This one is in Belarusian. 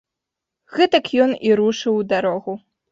Гэтак ён і рушыў у дарогу.